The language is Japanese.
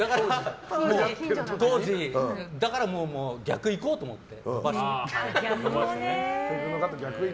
当時、だからもう逆行こうと思って伸ばして。